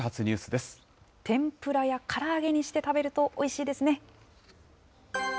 ニュ天ぷらやから揚げにして食べるとおいしいですね。